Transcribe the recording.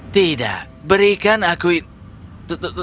tidak berikan aku ini